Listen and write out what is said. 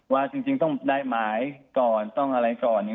ว่าจริงต้องได้หมายก่อนต้องอะไรก่อน